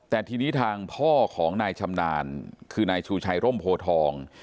แต่ทีนี้ทางพ่อของนายชำนาญคือนายชูชัยร่มโพทอง